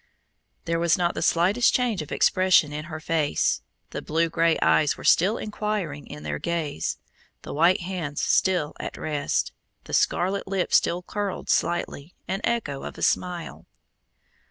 There was not the slightest change of expression in her face; the blue gray eyes were still inquiring in their gaze, the white hands still at rest, the scarlet lips still curled slightly, an echo of a smile.